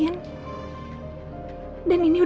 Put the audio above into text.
dan ini udah gak main main lagi